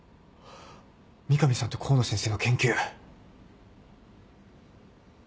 三上さんと河野先生の研究。